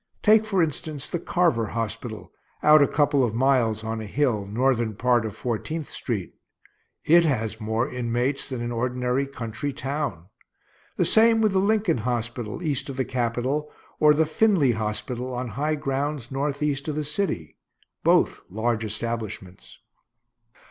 Take, for instance, the Carver hospital, out a couple of miles, on a hill, northern part of Fourteenth street. It has more inmates than an ordinary country town. The same with the Lincoln hospital, east of the Capitol, or the Finley hospital, on high grounds northeast of the city; both large establishments.